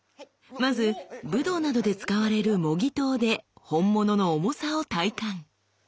まず武道などで使われる「模擬刀」で本物の重さを体感。